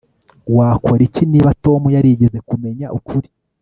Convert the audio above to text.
Wakora iki niba Tom yarigeze kumenya ukuri